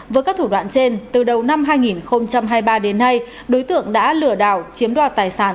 với các thủ đoạn trên từ đầu năm hai nghìn hai mươi ba đến nay đối tượng đã lừa đảo chiếm đoạt tài sản